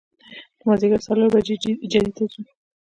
د مازدیګر څلور بجې جدې ته ځو.